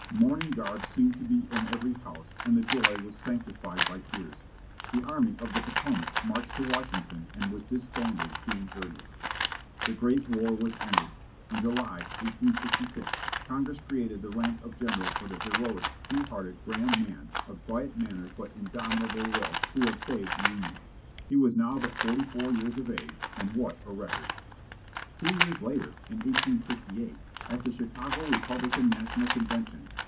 Mourning garb seemed to be in every house, and the joy was sanctified by tears. The Army of the Potomac marched to Washington, and was disbanded June 30. The great war was ended. In July, 1866, Congress created the rank of general for the heroic, true hearted, grand man, of quiet manner but indomitable will, who had saved the Union. He was now but forty four years of age, and what a record! Two years later, in 1868, at the Chicago Republican national convention.